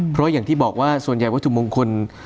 เพราะอย่างที่บอกว่าส่วนใหญ่วัตถุมงคล